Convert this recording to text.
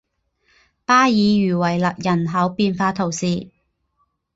巴尔茹维勒人口变化图示